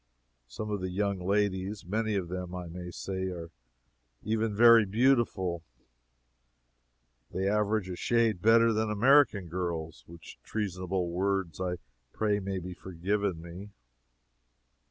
Some of the young ladies many of them, I may say are even very beautiful; they average a shade better than American girls which treasonable words I pray may be forgiven me.